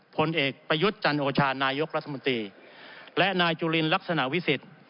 ผลเอกประยุทธ์จันโอชานายกรัฐมนตรีและนายจุลินลักษณะวิสิทธิ์